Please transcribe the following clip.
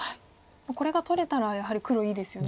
これが取れたらやはり黒いいですよね。